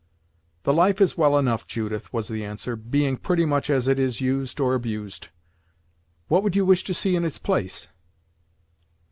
"The life is well enough, Judith," was the answer, "being pretty much as it is used or abused. What would you wish to see in its place?"